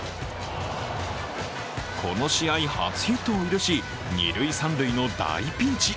この試合、初ヒットを許し二・三塁の大ピンチ。